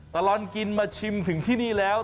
ตลอดกินมาชิมถึงที่นี่แล้ว